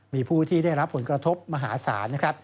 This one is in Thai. มีผู้ที่ได้รับผลกระทบมหาศาลนะครับ